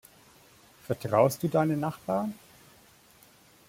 Vertraust du deinen Nachbarn?